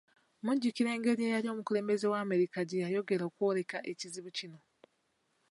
Mujjukira engeri eyali omukulembeze wa Amerika gye yayongera okwoleka ekizibu kino